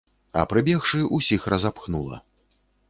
А прыбегшы, усіх разапхнула.